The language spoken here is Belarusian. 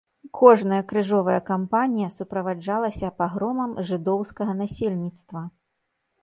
Кожная крыжовая кампанія суправаджалася пагромам жыдоўскага насельніцтва.